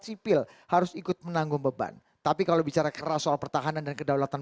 sipil harus ikut menanggung beban tapi kalau bicara keras soal pertahanan dan kedaulatan